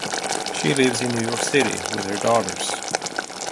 She lives in New York City with her daughters.